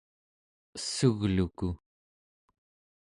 essugluku